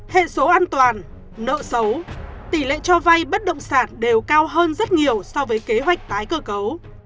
hệ số an toàn nợ xấu tỷ lệ cho vay bất động sản đều cao hơn rất nhiều so với kế hoạch tái cơ cấu